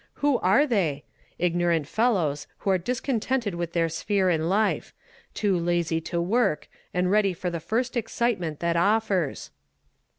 Who are they? Ignorant fellows who are discontented with their sphere in life ; too lazy to work, and ready for the fii st excitement that offere."